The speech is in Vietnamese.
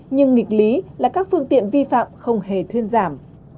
nhưng nghịch lý là các phương tiện vi phạm không hề thuyên giảm